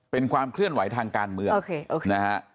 เป็นความเคลื่อนไหวทางการเมืองนะฮะ